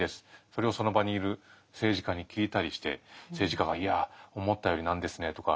それをその場にいる政治家に聞いたりして政治家が「いや思ったよりなんですね」とか。